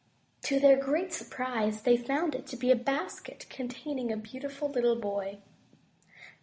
To their great surprise they found it to be a basket containing a beautiful little boy.